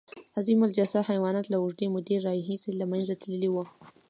عظیم الجثه حیوانات له اوږدې مودې راهیسې له منځه تللي وو.